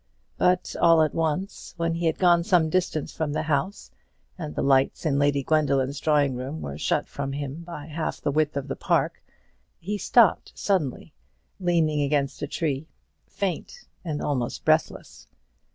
But all at once, when he had gone some distance from the house, and the lights in Lady Gwendoline's drawing room were shut from him by half the width of the park, he stopped suddenly, leaning against a tree, faint and almost breathless.